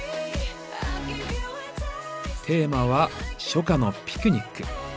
テーマは「初夏のピクニック」。